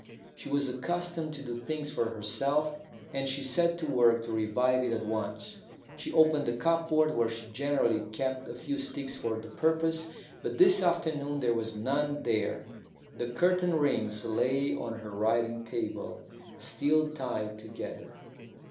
She was accustomed to do things for herself, and she set to work to revive it at once. She opened the cupboard where she generally kept a few sticks for the purpose, but this afternoon there was none there. The curtain rings lay on her writing table, still tied together.